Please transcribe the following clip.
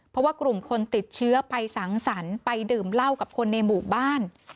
เพราะว่ากลุ่มคนติดเชื้อไปสังสรรค์ไปดื่มเหล้ากับคนในหมู่บ้าน